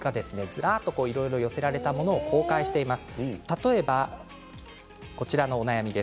いろいろと寄せられたものを公開しています。